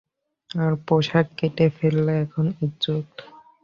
আর পোশাক কেটে ফেললে তখন ইজ্জত।